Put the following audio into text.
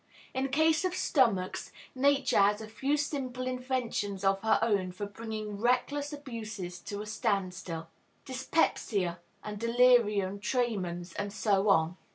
In case of stomachs, Nature has a few simple inventions of her own for bringing reckless abuses to a stand still, dyspepsia, and delirium tremens, and so on.